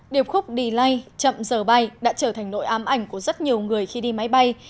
điệp khúc delay chậm giờ bay đã trở thành nội ám ảnh của rất nhiều người khi đi máy bay